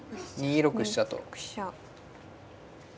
２六飛車と。